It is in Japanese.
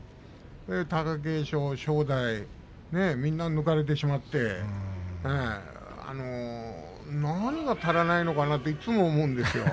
貴景勝、正代みんな、抜かれてしまって何が足らないのかなといつも思うんですよ